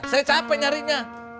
saya capek nyarinya